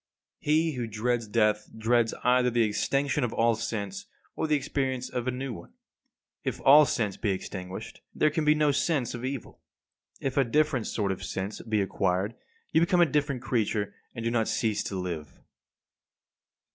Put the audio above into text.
58. He who dreads death dreads either the extinction of all sense or the experience of a new one. If all sense be extinguished, there can be no sense of evil. If a different sort of sense be acquired you become a different creature, and do not cease to live.